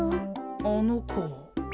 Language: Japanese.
あのこ。